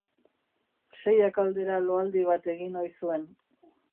Seiak aldera loaldi bat egin ohi zuen.